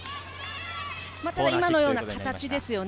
今のような形ですよね。